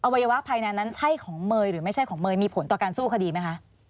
วัยวะภายในนั้นใช่ของเมย์หรือไม่ใช่ของเมย์มีผลต่อการสู้คดีไหมคะ